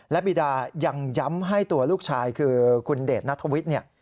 และบีดายังย้ำให้ตัวลูกชายคือคุณเดชนัทวิทย์เนี่ย